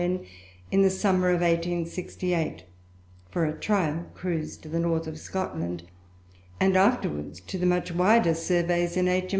N., in the summer of 1868, for a trial cruise to the North of Scotland, and afterwards to the much wider surveys in H.